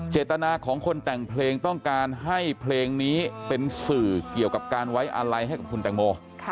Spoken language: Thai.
เจตนาของคนแต่งเพลงต้องการให้เพลงนี้เป็นสื่อเกี่ยวกับการไว้อะไรให้กับคุณแตงโม